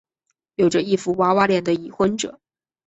有着一副娃娃脸的已婚者。